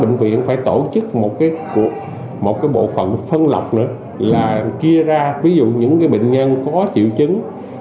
bệnh viện phải tổ chức một cái bộ phận phân lọc nữa là kia ra ví dụ những cái bệnh nhân có triệu chứng